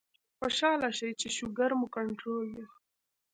خوشاله شئ چې شوګر مو کنټرول دے